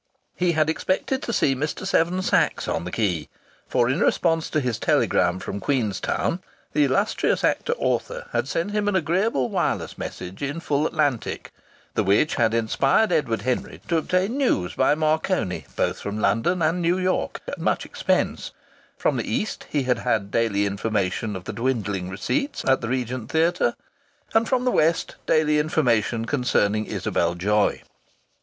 He had expected to see Mr. Seven Sachs on the quay, for in response to his telegram from Queenstown the illustrious actor author had sent him an agreeable wireless message in full Atlantic; the which had inspired Edward Henry to obtain news by Marconi both from London and New York, at much expense; from the east he had had daily information of the dwindling receipts at the Regent Theatre, and from the west daily information concerning Isabel Joy.